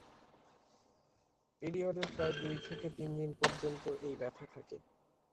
পিরিয়ডের প্রায় দুই থেকে তিন দিন পর্যন্ত এই ব্যথা থাকে।